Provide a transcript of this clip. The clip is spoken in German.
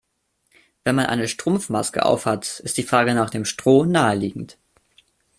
Wenn man eine Strumpfmaske auf hat, ist die Frage nach dem Stroh naheliegend.